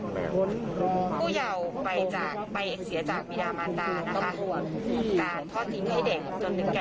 ผู้เยาว์ไปจากไปเสียจากบิดามารดานะคะการทอดทิ้งให้เด็กจนถึงแก่